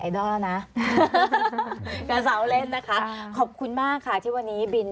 ไอดอร์น่ะกับเสาเล่นนะคะขอบคุณมากค่ะที่วันนี้บิน